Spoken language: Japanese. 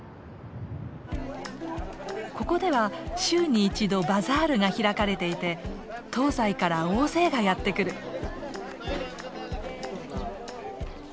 ここでは週に一度バザールが開かれていて東西から大勢がやって来る。